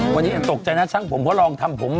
วันนี้โต๊คใจนะช่างผมเพราะลองทำผม